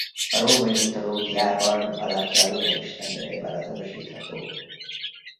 A római mitológiában alakja Luna istennőjével azonosítható.